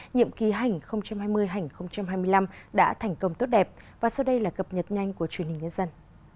nhiệm kỳ hành hai mươi hai mươi năm đã thành công tốt đẹp và sau đây là cập nhật nhanh của truyền hình nhân dân